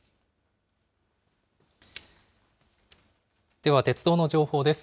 では鉄道の情報です。